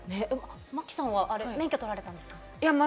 麻貴さんも免許取られたんですか？